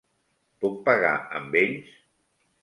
Puc pagar amb ells?